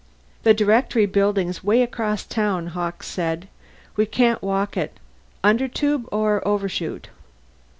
"The Directory Building's way across town," Hawkes said. "We can't walk it. Undertube or Overshoot?"